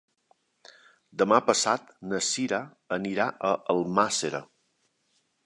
Demà passat na Sira anirà a Almàssera.